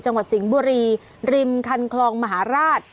สิงห์บุรีริมคันคลองมหาราช